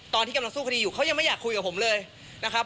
ตอนที่กำลังสู้คดีอยู่เขายังไม่อยากคุยกับผมเลยนะครับ